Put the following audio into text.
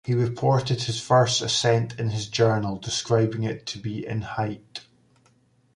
He reported his first ascent in his journal, describing it to be in height.